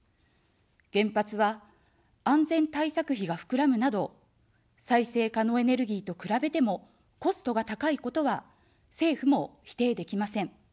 原発は安全対策費がふくらむなど、再生可能エネルギーと比べてもコストが高いことは政府も否定できません。